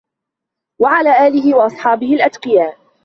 وَعَلَى آلِهِ وَأَصْحَابِهِ الْأَتْقِيَاءِ